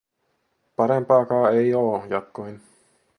"Parempaakaa ei oo", jatkoin.